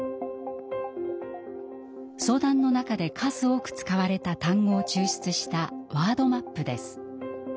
相談の中で数多く使われた単語を抽出したワードマップです。